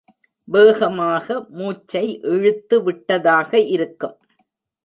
வேகமாக மூச்சை இழுத்து விட்டதாக இருக்கும்.